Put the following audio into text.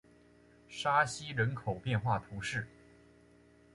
沙西人口变化图示